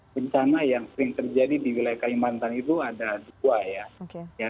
bencana yang sering terjadi di wilayah kalimantan itu ada dua ya